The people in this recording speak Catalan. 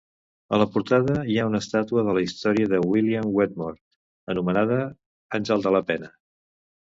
A la portada hi ha una estàtua de la història de William Wetmore anomenada "Àngel de la pena".